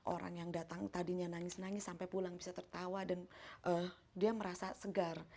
orang yang datang tadinya nangis nangis sampai pulang bisa tertawa dan dia merasa segar